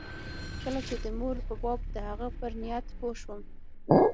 کله چې د مور په باب د هغه پر نيت پوه سوم.